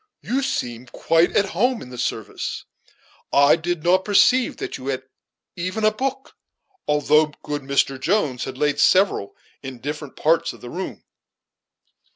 You seem quite at home in the service; I did not perceive that you had even a book, although good Mr. Jones, had laid several in different parts of the room."